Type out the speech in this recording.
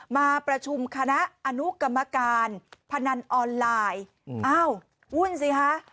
มาประชุมคณะอนุกรรมการพนันออนไลน์อ้าววุ่นสิคะ